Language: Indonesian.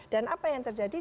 dan apa yang terjadi